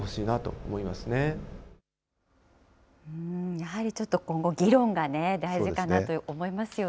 やはりちょっと今後、議論がね、大事かなと思いますよね。